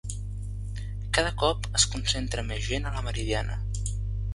Cada cop es concentra més gent a la Meridiana